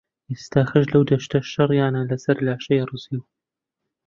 ئێستەکەش لەو دەشتە شەڕیانە لەسەر لاشەی ڕزیو